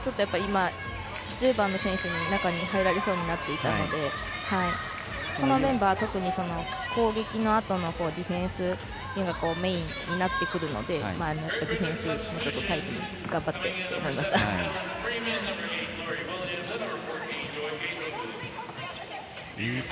１０番の選手に中に入られそうになっていたのでこのメンバー、特に攻撃のあとのディフェンスがメインになってくるのでディフェンスをもうちょっとタイトに頑張ってほしいです。